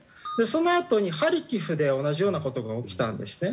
そのあとにハルキウで同じような事が起きたんですね。